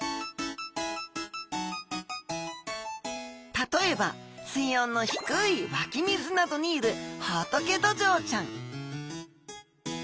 例えば水温の低い湧き水などにいるホトケドジョウちゃん